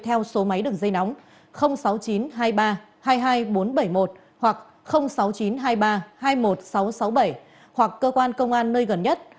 theo số máy được dây nóng sáu nghìn chín trăm hai mươi ba hai mươi hai nghìn bốn trăm bảy mươi một hoặc sáu nghìn chín trăm hai mươi ba hai mươi một nghìn sáu trăm sáu mươi bảy hoặc cơ quan công an nơi gần nhất